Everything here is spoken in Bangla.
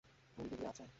ফুল ভিডিও আছে?